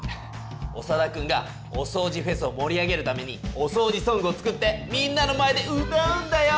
オサダくんがおそうじフェスを盛り上げるために「おそうじソング」を作ってみんなの前で歌うんだよ！